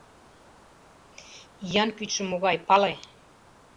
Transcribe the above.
Иян кӱчшӧ могай, пале!